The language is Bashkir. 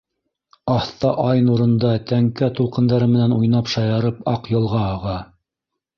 Аҫта ай нурында тәңкә-тулҡындары менән уйнап-шаярып Аҡйылға аға.